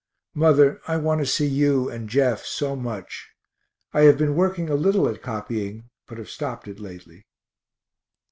Mother, I want to see you and Jeff so much. I have been working a little at copying, but have stopt it lately.